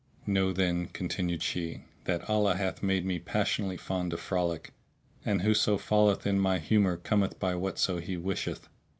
"Know, then," continued she, "that Allah hath made me passionately fond of frolic; and whoso falleth in with my humour cometh by whatso he wisheth."